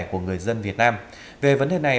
của người dân việt nam về vấn đề này